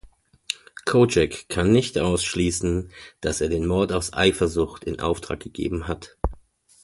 Kojak kann nicht ausschließen, dass er den Mord aus Eifersucht in Auftrag gegeben hat.